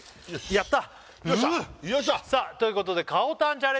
やった！